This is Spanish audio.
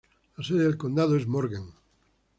La sede de condado es Morgan.